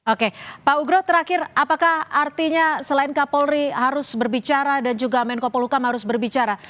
oke pak ugro terakhir apakah artinya selain kapolri harus berbicara dan juga menko polukam harus berbicara